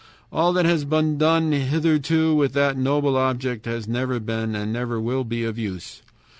All that has been done hitherto with that noble object has never been and never will be of use.